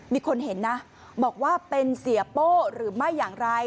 มีคนเห็นนะบอกว่าเป็นเสียโป้หรือไม่อย่างไร